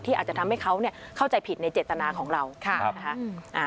ที่อาจจะทำให้เขาเนี่ยเข้าใจผิดในเจตนาของเราค่ะครับอ่า